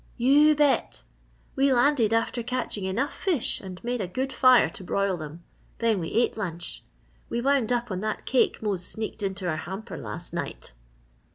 "You bet! We landed after catching enough fish and made a good fire to broil them. Then we ate lunch. We wound up on that cake Mose sneaked into our hamper last night."